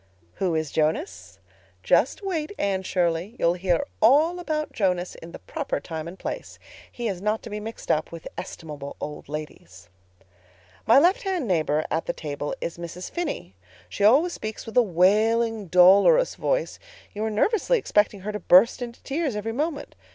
"Who is Jonas? Just wait, Anne Shirley. You'll hear all about Jonas in the proper time and place. He is not to be mixed up with estimable old ladies. "My left hand neighbor at the table is Mrs. Phinney. She always speaks with a wailing, dolorous voice—you are nervously expecting her to burst into tears every moment.